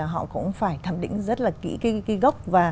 họ cũng phải thẩm định rất là kỹ cái gốc